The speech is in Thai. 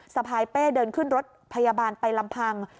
สะพายเป้เดินขึ้นรถพยาบาลไปลำพัง